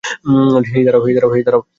হেই, দাঁড়াও!